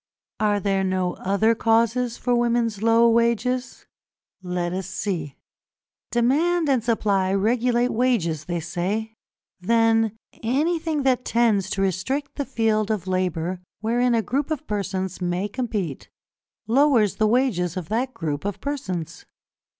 Are there no other causes for women's low wages? Let us see. Demand and Supply regulate wages, they say. Then anything that tends to restrict the field of labour wherein a group of persons may compete, lowers the wages of that group of persons.